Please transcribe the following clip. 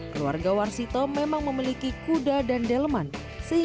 keluarga warsito memang memiliki kuda dan delman